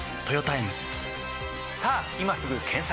さぁ今すぐ検索！